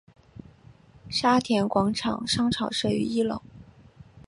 沙田广场商场设于一楼。